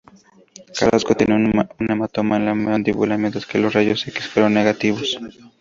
Carrasco tenía un hematoma en la mandíbula, mientras que los rayos X fueron negativos.